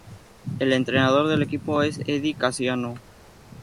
El entrenador del equipo es Eddie Casiano.